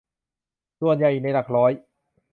ส่วนใหญ่อยู่ในหลักร้อย